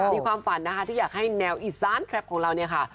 มีความฝันนะคะที่อยากให้แนวอีสานแครปของเราเนี่ยค่ะ